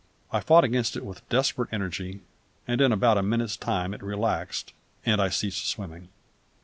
I fought against it with desperate energy, and in about a minute's time it relaxed, and I ceased swimming.